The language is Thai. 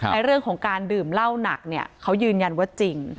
เรื่องของการดื่มเหล้าหนักเนี่ยเขายืนยันว่าจริง